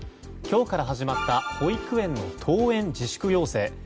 今日から始まった保育園の登園自粛要請。